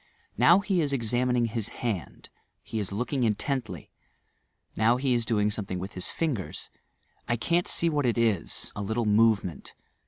Now fae is exam ining bis h&ndj he is looking intently: now be is doing something with his fingers. I can't see what it is, a little morement.